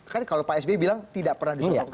kan kalau pak sby bilang tidak pernah disebutkan